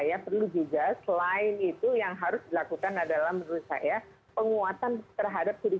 ya perlu juga selain itu yang harus dilakukan adalah menurut saya penguatan terhadap